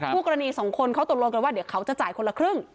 ผู้กรณีสองคนเขาตกลงกันว่าเดี๋ยวเขาจะจ่ายคนละครึ่ง